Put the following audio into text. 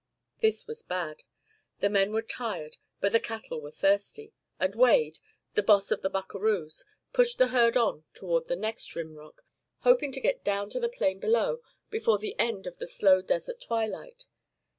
This was bad. The men were tired, but the cattle were thirsty, and Wade, the 'boss of the buckaroos,' pushed the herd on toward the next rim rock, hoping to get down to the plain below before the end of the slow desert twilight.